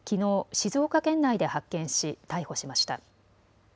静岡県内で発見し逮捕しました。